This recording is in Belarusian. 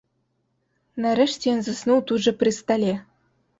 Нарэшце ён заснуў тут жа пры стале.